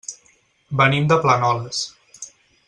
Venim de Planoles.